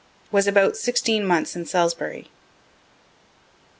Was about sixteen months in Salisbury.